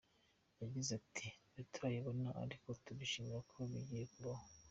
Yagize ati “Ntiturabibona ariko turishimye ko bigiye kubaho.